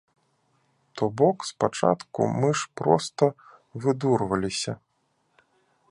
То бок спачатку мы ж проста выдурваліся.